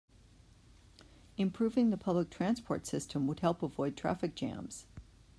Improving the public transport system would help avoid traffic jams.